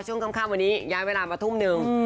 ช่วงค่ำวันนี้ย้ายเวลามาทุ่มหนึ่ง